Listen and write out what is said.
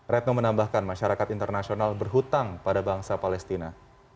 retno menambahkan masyarakat internasional berhutang pada bangsa palestina